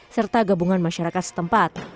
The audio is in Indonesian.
serta gabungan masyarakat setempat